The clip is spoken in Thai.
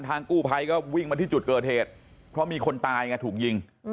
กู้ภัยก็วิ่งมาที่จุดเกิดเหตุเพราะมีคนตายไงถูกยิง